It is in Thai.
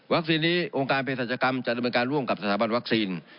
วัคซีนนี้องค์การเพศศาสตร์จักรรมจะดำเนินการร่วมกับสถาบันวัคซีน